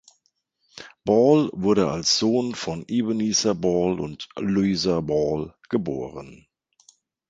Ball wurde als Sohn von Ebenezer Ball und Louisa Ball geboren.